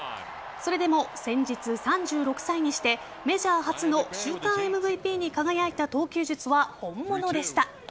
それでも先日、３６歳にしてメジャー初の週間ＭＶＰに輝いた投球術は本物でした。